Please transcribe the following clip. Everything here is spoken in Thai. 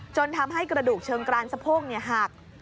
ทำให้กระดูกเชิงกรานสะโพกหัก